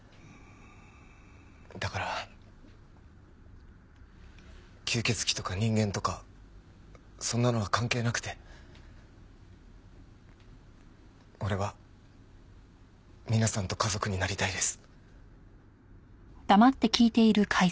だから吸血鬼とか人間とかそんなのは関係なくて俺は皆さんと家族になりたいです。